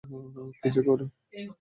কি যে করি?